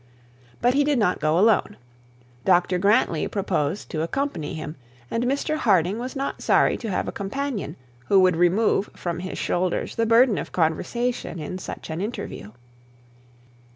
But he did not go alone. Dr Grantly proposed to accompany him, and Mr Harding was not sorry to have a companion, who would remove from his shoulders the burden of conversation in such an interview.